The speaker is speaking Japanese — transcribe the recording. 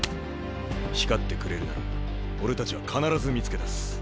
光ってくれるなら俺たちは必ず見つけ出す。